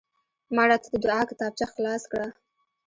مړه ته د دعا کتابچه خلاص کړه